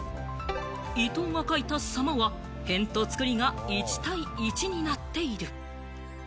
伊藤が書いた「様」はへんとつくりが１対１になっている。